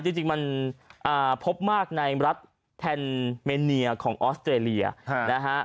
จริงมันพบมากในรัฐแทนเมเนียของออสเตรเลียนะฮะ